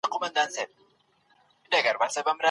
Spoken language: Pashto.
غیرت د هر چا په برخه نه کیږي.